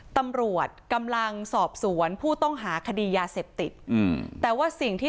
ตำรวจกำลังสอบสวนผู้ต้องหาคดียาเสพติดอืมแต่ว่าสิ่งที่